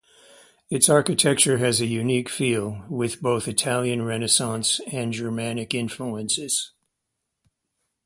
Its architecture has a unique feel, with both Italian Renaissance and Germanic influences.